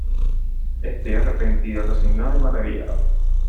Estoy arrepentido, resignado y maravillado".